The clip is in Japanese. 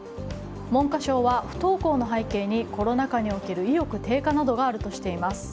文科省は、不登校の背景にコロナ禍における意欲低下などがあるとしています。